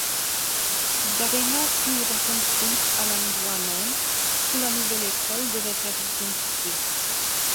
L'aréna fut reconstruite à l'endroit même ou la nouvelle école devait être construite.